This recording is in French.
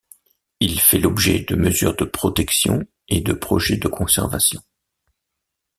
Il fait l'objet de mesures de protection et de projets de conservation.